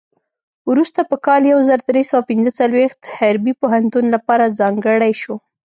وروسته په کال یو زر درې سوه پنځه څلوېښت حربي پوهنتون لپاره ځانګړی شو.